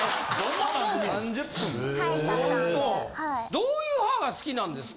どういう歯が好きなんですか？